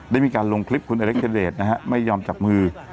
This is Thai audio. ได้มีการลงคลิปคุณอเล็กเทเลสนะฮะไม่ยอมจับมือ